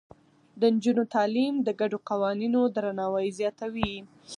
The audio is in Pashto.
د نجونو تعليم د ګډو قوانينو درناوی زياتوي.